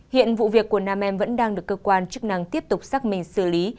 hiện vụ việc của nam em vẫn đang được cơ quan chức năng tiếp tục xác minh xử lý